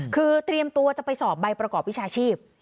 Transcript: คือเตรียมตัวจะไปสอบใบประกอบวิชาชีพ